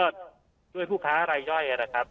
ด้วยผู้ค้ารายย่อย